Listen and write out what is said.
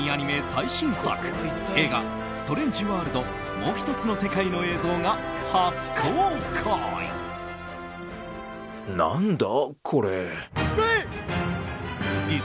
最新作映画「ストレンジ・ワールド／もうひとつの世界」の映像が何だ？